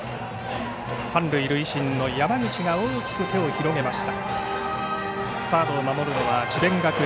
三塁塁審の山口が大きく手を広げました。